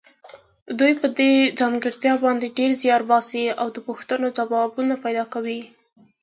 دوی په دې ځانګړتیا باندې ډېر زیار باسي او د پوښتنو ځوابونه پیدا کوي.